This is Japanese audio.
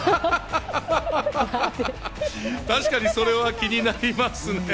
アハハハハ、確かにそれは気になりますね。